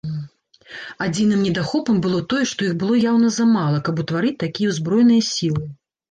Адзіным недахопам было тое, што іх было яўна замала, каб утварыць такія ўзброеныя сілы.